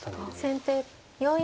先手４四歩。